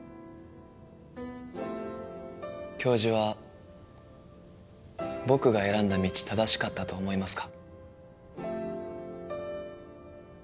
教授は僕が選んだ道正しかったと思いますか？